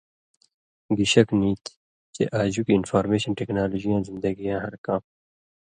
گی شک نی تھی چےۡ آژُکیۡ انفارمېشن ٹیکنالوجی یاں زندگی یاں ہر کام